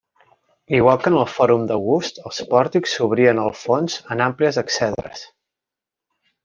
Igual que en el Fòrum d'August, els pòrtics s'obrien al fons en àmplies exedres.